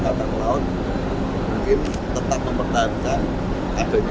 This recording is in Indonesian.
kitung uang militer setuju pembedahan satu ratus dua puluh empat lima gt per litry